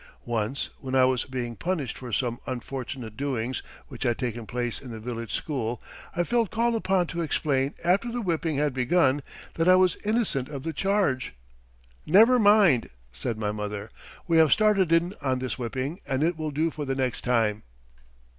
Once, when I was being punished for some unfortunate doings which had taken place in the village school, I felt called upon to explain after the whipping had begun that I was innocent of the charge. "Never mind," said my mother, "we have started in on this whipping, and it will do for the next time."